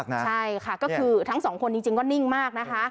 ใช่ค่ะก็คือทั้งสองคนจริงก็นิ่งมากนะคะ